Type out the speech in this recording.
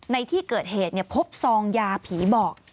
ในที่เกิดเหตุพบซองยาผีบอก